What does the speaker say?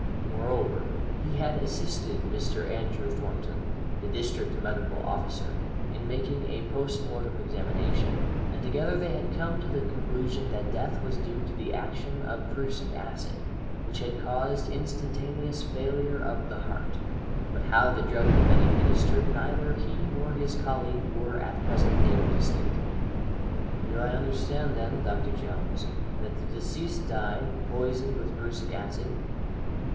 Moreover, he had assisted Mr. Andrew Thornton, the district medical officer, in making a postmortem examination, and together they had come to the conclusion that death was due to the action of prussic acid, which had caused instantaneous failure of the heart, but how the drug had been administered neither he nor his colleague were at present able to state. "'Do I understand, then, Dr. Jones, that the deceased died, poisoned with prussic acid?'